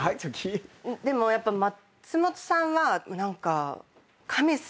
でもやっぱ松本さんは何か。